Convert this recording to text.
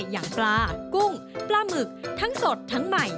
อย่างปลากุ้งปลาหมึกทั้งสดทั้งใหม่